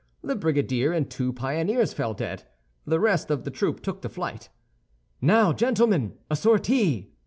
The brigadier and two pioneers fell dead; the rest of the troop took to flight. "Now, gentlemen, a _sortie!